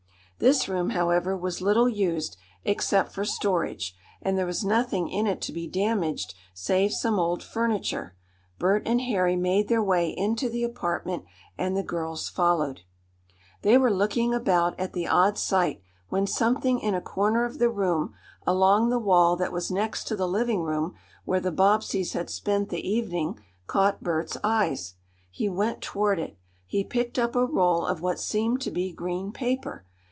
This room, however, was little used, except for storage, and there was nothing in it to be damaged save some old furniture. Bert and Harry made their way into the apartment, and the girls followed. They were looking about at the odd sight, when something in a corner of the room, along the wall that was next to the living room, where the Bobbseys had spent the evening, caught Bert's eyes. He went toward it. He picked up a roll of what seemed to be green paper.